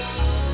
ini fitnah pak